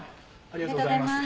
ありがとうございます。